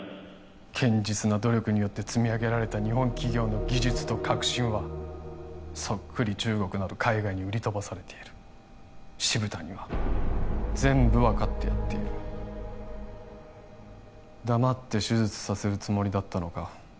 堅実な努力によって積み上げられた日本企業の技術と革新はそっくり中国など海外に売り飛ばされている渋谷は全部分かってやっている黙って手術させるつもりだったのか？